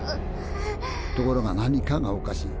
ところが何かがおかしい。